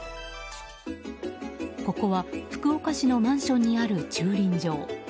ここは福岡市のマンションにある駐輪場。